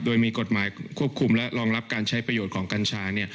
โดยมีกฎหมายควบคุมและรองรับการใช้ประโยชน์ของกัญชา